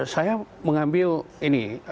saya mengambil ini